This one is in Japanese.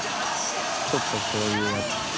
ちょっとこういう。）